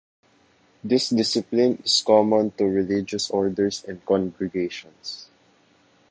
This discipline is common to religious orders and congregations.